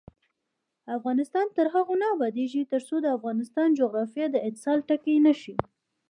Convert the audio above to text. افغانستان تر هغو نه ابادیږي، ترڅو د افغانستان جغرافیه د اتصال ټکی نشي.